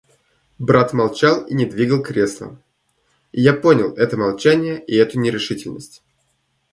Брат молчал и не двигал кресла, и я понял это молчание и эту нерешительность.